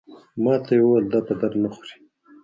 ماته یې وویل دا په درد نه خوري.